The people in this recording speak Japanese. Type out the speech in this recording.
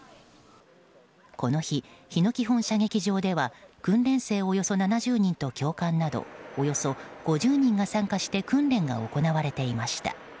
この日、日野基本射撃場では訓練生およそ７０人と教官などおよそ５０人が参加して訓練が行われていました。